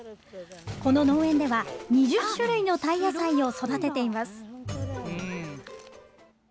この農園では、２０種類のタイ野菜を育てています。